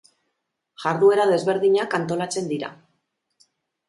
Jarduera desberdinak antolatzen dira.